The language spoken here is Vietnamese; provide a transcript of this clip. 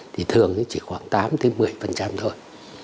thì thường chỉ khoảng tám một mươi thôi